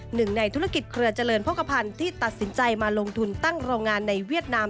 หนึ่งในธุรกิจเครือเจริญโภคภัณฑ์ที่ตัดสินใจมาลงทุนตั้งโรงงานในเวียดนาม